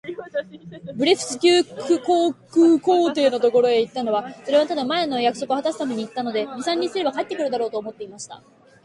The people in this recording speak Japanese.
ブレフスキュ国皇帝のところへ行ったのは、それはただ、前の約束をはたすために行ったので、二三日すれば帰って来るだろう、と思っていました。